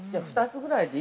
◆２つぐらいで。